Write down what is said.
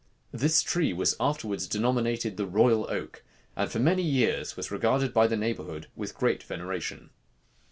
This tree was afterwards denominated the royal oak, and for many years was regarded by the neighborhood with great veneration.